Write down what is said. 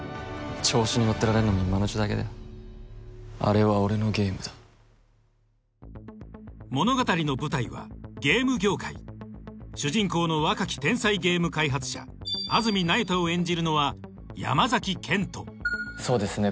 調子に乗ってられるのも今のうちだけだあれは俺のゲームだ物語の舞台はゲーム業界主人公の若き天才ゲーム開発者安積那由他を演じるのは山賢人そうですね